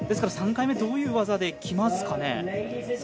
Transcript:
３回目、どういう技できますかね。